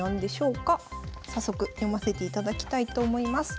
早速読ませていただきたいと思います。